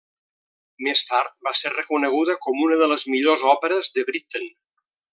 Més tard va ser reconeguda com una de les millors òperes de Britten.